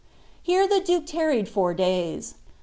Here the duke tarried ] I days.